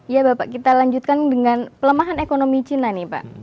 ya bapak kita lanjutkan dengan pelemahan ekonomi cina nih pak